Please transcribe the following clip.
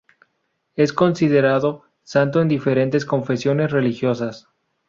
Es considerado santo en diferentes confesiones religiosas.